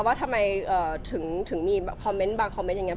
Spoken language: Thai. ว่าทำไมถึงมีบางคอมเมนต์อย่างนั้น